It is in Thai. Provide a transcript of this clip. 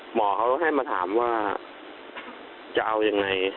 หมอเขาให้มาถามว่าจะเอายังไง